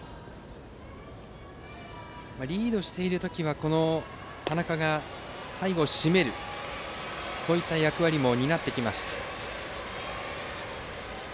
リードしている時は田中が最後を締めるという役割も担ってきました。